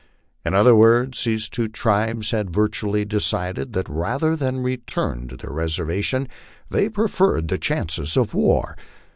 In other words, these two tribes had virtually decided that rather than return to their reservation they preferred the chances of war.